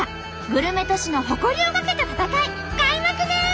グルメ都市の誇りをかけた戦い開幕です！